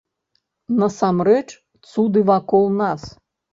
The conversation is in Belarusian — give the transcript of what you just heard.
Насамрэч цуды вакол нас.